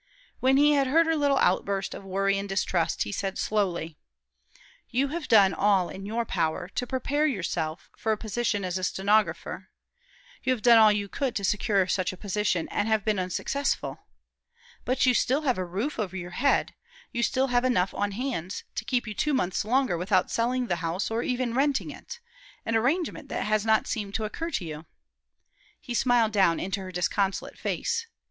When he had heard her little outburst of worry and distrust, he said, slowly: "You have done all in your power to prepare yourself for a position as stenographer. You have done all you could to secure such a position, and have been unsuccessful. But you still have a roof over your head, you still have enough on hands to keep you two months longer without selling the house or even renting it an arrangement that has not seemed to occur to you." He smiled down into her disconsolate face.